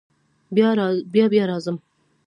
بیا بیا راځم.